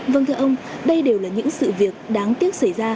vâng thưa ông